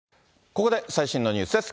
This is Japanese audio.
ここで最新のニュースです。